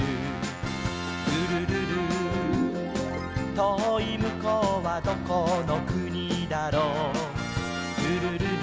「とおいむこうはどこのくにだろ」「ルルルル」